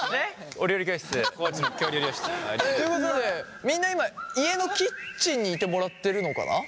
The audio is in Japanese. お料理教室。ということでみんな今家のキッチンにいてもらってるのかな？